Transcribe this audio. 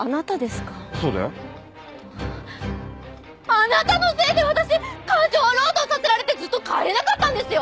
あなたのせいで私過剰労働させられてずっと帰れなかったんですよ！